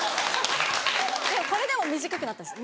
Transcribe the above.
これでも短くなったんです